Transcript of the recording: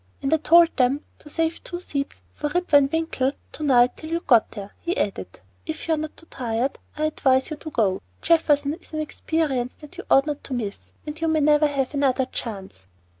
"And I told them to save two seats for Rip Van Winkle to night till you got there," he added. "If you're not too tired I advise you to go. Jefferson is an experience which you ought not to miss, and you may never have another chance."